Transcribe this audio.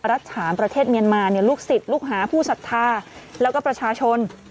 รัฐฉานประเทศเมียนมาลูกศิษย์ลูกหาผู้ศรัทธาแล้วก็ประชาชน